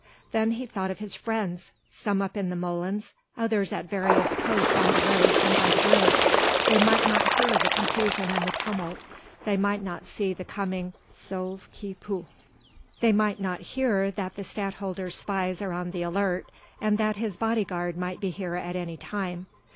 Then he thought of his friends some up in the molens, others at various posts on the road and by the bridge they might not hear the confusion and the tumult, they might not see the coming sauve qui peut; they might not hear that the Stadtholder's spies are on the alert, and that his bodyguard might be here at any time.